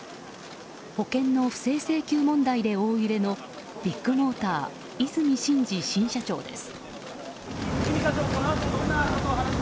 保険の不正請求問題で大揺れのビッグモーター和泉伸二新社長です。